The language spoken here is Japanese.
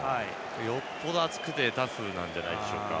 よほど暑くてタフなんじゃないでしょうか。